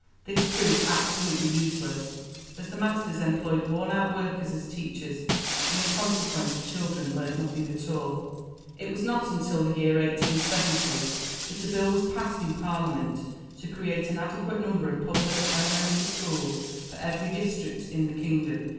This proved absolutely useless, as the masters employed worn out workers as teachers, and in consequence the children learnt nothing at all. It was not until the year 1870 that a Bill was passed in Parliament to create an adequate number of public elementary schools for every district in the kingdom.